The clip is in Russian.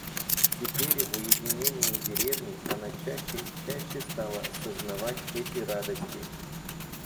Теперь, в уединении деревни, она чаще и чаще стала сознавать эти радости.